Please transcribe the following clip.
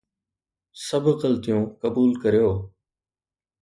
سڀ غلطيون قبول ڪريو